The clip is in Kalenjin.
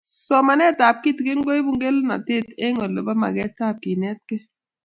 Somanetab kitigin koibu ngelelnotet ang Olebo magetab kenetkei